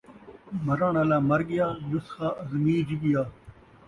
مرݨ آلا مرڳیا ، نسخہ ازمیج ڳیا